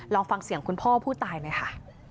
ลองฟังเสียงคุณพ่อผู้ตายหน่อยค่ะ